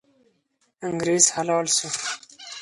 انګریز حلال سو.